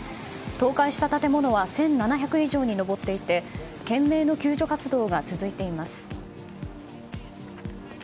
倒壊した建物は１７００以上に上っていて懸命の救助活動が続いています。